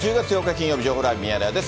金曜日、情報ライブミヤネ屋です。